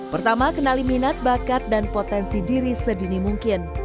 pertama kenali minat bakat dan potensi diri sedini mungkin